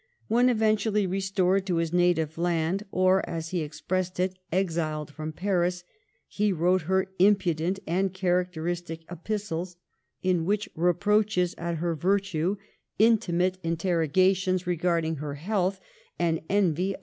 When eventually re stored to his native land — or, as he expressed it, exiled from Paris — he wrote her impudent and characteristic epistles, in which reproaches at her virtue, intimate interrogations regarding her health, and envy of M.